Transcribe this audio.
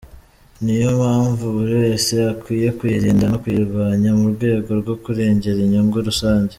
Niyo mpamvu buri wese akwiye kuyirinda no kuyirwanya mu rwego rwo kurengera inyungu rusange.